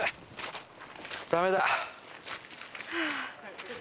ダメだ。